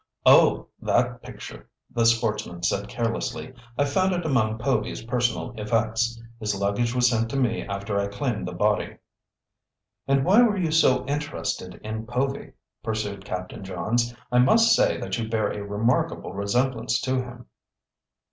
"Oh, that picture," the sportsman said carelessly. "I found it among Povy's personal effects. His luggage was sent to me after I claimed the body." "And why were you so interested in Povy?" pursued Captain Johns. "I must say that you bear a remarkable resemblance to him."